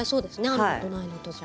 あるのとないのとじゃ。